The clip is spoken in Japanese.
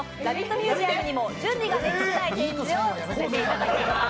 ミュージアムにも準備ができしだい展示をさせていただきます。